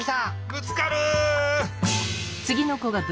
ぶつかる！